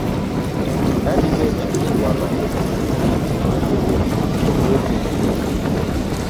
Ka dibedi ni dichwo no gi chiege ogwedh gi nyithindo,